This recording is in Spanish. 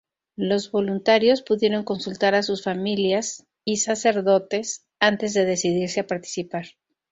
Los voluntarios pudieron consultar a sus familias y sacerdotes antes de decidirse a participar.